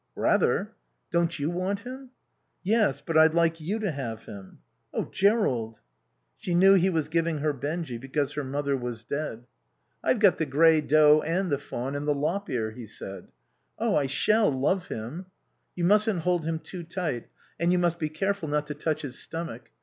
"Rather." "Don't you want him?" "Yes. But I'd like you to have him." "Oh, Jerrold." She knew he was giving her Benjy because her mother was dead. "I've got the grey doe, and the fawn, and the lop ear," he said. "Oh I shall love him." "You mustn't hold him too tight. And you must be careful not to touch his stomach.